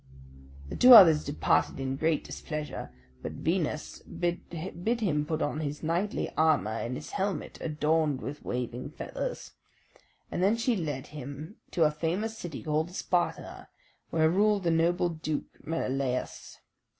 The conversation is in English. The two others departed in great displeasure; but Venus bid him put on his knightly armour and his helmet adorned with waving feathers, and then she led him to a famous city called Sparta, where ruled the noble Duke Menelaus.